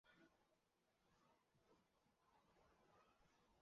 他安葬在乌鲁木齐东山公墓。